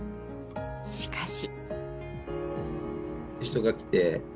しかし。